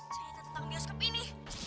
cerita tentang bioskop ini